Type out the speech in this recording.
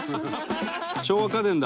「昭和家電だ」